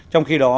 trong khi đó